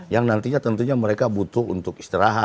yang nantinya tentunya mereka butuh untuk istirahat